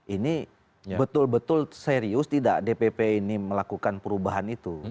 ini betul betul serius tidak dpp ini melakukan perubahan itu